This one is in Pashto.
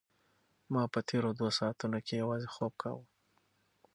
ما په تېرو دوو ساعتونو کې یوازې خوب کاوه.